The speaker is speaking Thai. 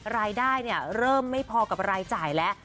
รายได้เริ่มไม่พอกับรายจ่ายแล้ว